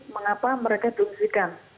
mengapa mereka diungsikan